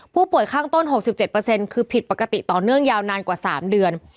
ผู้ป่วยข้างต้น๖๗คือผิดปกติต่อเนื่องยาวนานกว่า๓เดือน